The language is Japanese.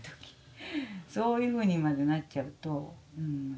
そういうふうにまでなっちゃうとうん。